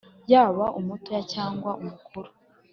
yaba umuto cyangwa umukuru